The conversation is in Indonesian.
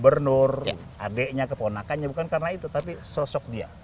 bukan karena anak gubernur adeknya keponakannya bukan karena itu tapi sosok dia